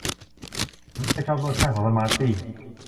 ฉันไม่ค่อยชอบรสชาติของสมาร์ทตี้